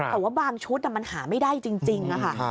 แต่ว่าบางชุดมันหาไม่ได้จริงค่ะ